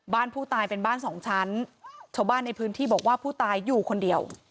บ้านผู้ตายเป็นบ้านสองชั้นชาวบ้านในพื้นที่บอกว่าผู้ตายอยู่คนเดียว